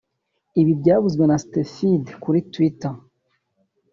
ibi byavuzwe na Stepfeed kuri Twitter